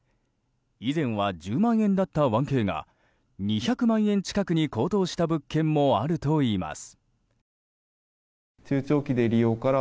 以前は１０万円だった１Ｋが２００万円近くに高騰した物件もあるといいます。